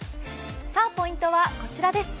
ポイントはこちらです。